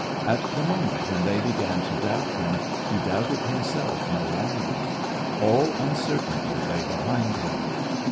At the moment when they began to doubt him, he doubted himself no longer, all uncertainty lay behind him.